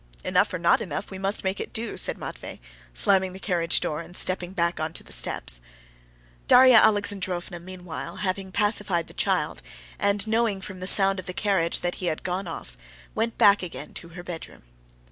"Enough or not enough, we must make it do," said Matvey, slamming the carriage door and stepping back onto the steps. Darya Alexandrovna meanwhile having pacified the child, and knowing from the sound of the carriage that he had gone off, went back again to her bedroom.